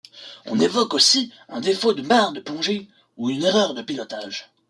On évoque aussi un défaut de barre de plongée ou une erreur de pilotage.